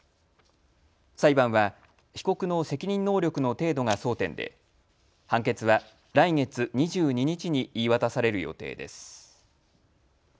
裁判は被告の責任能力の程度が争点で判決は来月２２日に言い渡される予定です。